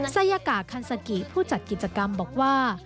ซายากาคันซากิผู้จัดกิจกรรมบอกว่า